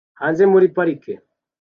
Hanze muri parike